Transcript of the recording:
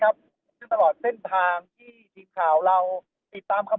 กินดอนเมืองในช่วงเวลาประมาณ๑๐นาฬิกานะครับ